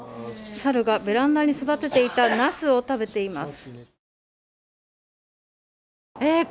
サルがベランダに育てていたナスを食べています。